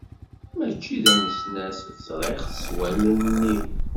Mačči d anesnas, ẓriɣ-t s wallalen-iw.